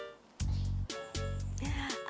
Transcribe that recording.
iya tapi jangan lama lama dong